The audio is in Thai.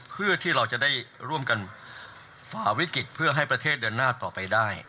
เพื่อที่เราจะได้ร่วมกันฝ่าวิกฤตเพื่อให้ประเทศเดินหน้าต่อไปได้